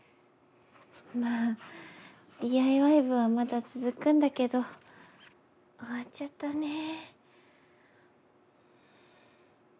まあＤＩＹ部はまだ続くんだけど終わっちゃったねぇ。